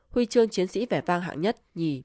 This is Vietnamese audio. huy chương chiến sĩ vẻ vang hạng nhất